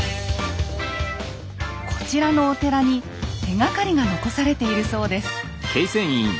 こちらのお寺に手がかりが残されているそうです。